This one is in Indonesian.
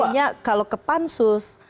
artinya kalau ke pansus